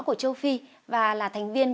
của châu phi và là thành viên